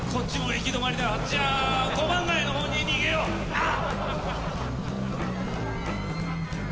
あっ！